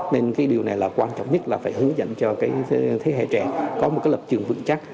nên cái điều này là quan trọng nhất là phải hướng dẫn cho cái thế hệ trẻ có một cái lập trường vững chắc